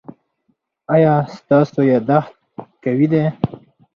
ایا ستاسو یادښت قوي دی؟